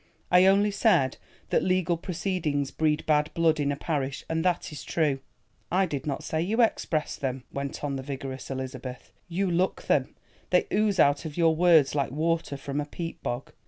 I only said that legal proceedings breed bad blood in a parish, and that is true." "I did not say you expressed them," went on the vigorous Elizabeth; "you look them—they ooze out of your words like water from a peat bog.